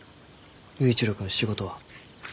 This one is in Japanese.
佑一郎君仕事は？